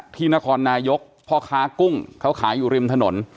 ที่นครนายกพ่อค้ากุ้งเขาขายอยู่ริมถนน